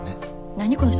何この人。